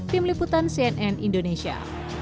tim liputan cnn indonesia